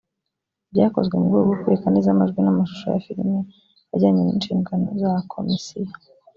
byakozwe mu rwego rwo kubika neza amajwi n’amashusho ya filimi ajyanye n’inshingano za komisiyo